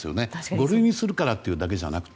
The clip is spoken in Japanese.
五類にするからというだけじゃなくて。